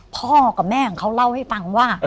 พ่อกับแม่ของเขาเล่าให้ฟังว่า